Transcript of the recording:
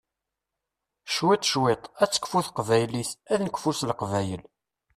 Cwiṭ cwiṭ, ad tekfu teqbaylit, ad nekfu s leqbayel.